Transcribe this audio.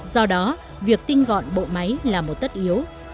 do đó việc tinh gọn bộ máy là một tất yếu